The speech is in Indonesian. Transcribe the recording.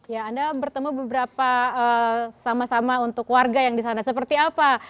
ya anda bertemu beberapa sama sama untuk warga yang di sana seperti apa